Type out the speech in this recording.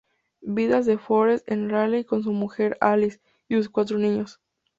Vidas de Forest en Raleigh con su mujer, Alice, y sus cuatro niños.